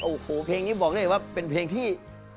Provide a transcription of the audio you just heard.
โอ้โหเพลงนี้บอกได้เลยว่าเป็นเพลงที่